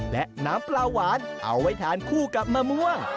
และน้ำปลาหวานเอาไว้ทานคู่กับมะม่วง